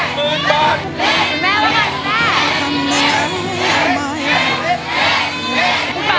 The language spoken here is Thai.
คุณแม่ว่าคุณแม่